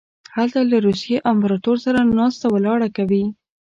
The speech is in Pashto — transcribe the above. هلته له روسیې امپراطور سره ناسته ولاړه کوي.